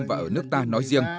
và ở nước ta nói riêng